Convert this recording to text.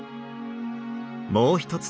もう一つ